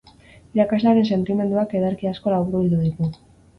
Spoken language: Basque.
Irakaslearen sentimenduak ederki asko laburbildu ditu.